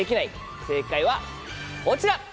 正解はこちら！